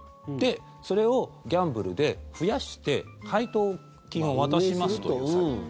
それをギャンブルで増やして配当金を渡しますという詐欺。